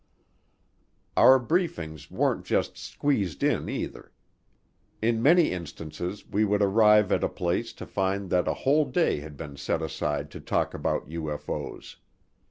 Our briefings weren't just squeezed in either; in many instances we would arrive at a place to find that a whole day had been set aside to talk about UFO's.